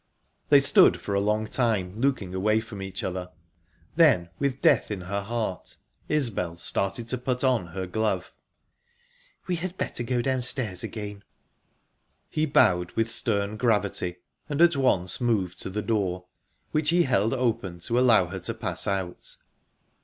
They stood for a long time, looking away from each other. Then, with death in her heart, Isbel started to put on her glove. "We had better go downstairs again." He bowed with stern gravity, and at once moved to the door, which he held open to allow her to pass out.